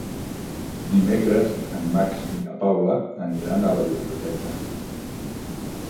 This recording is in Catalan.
Dimecres en Max i na Paula aniran a la biblioteca.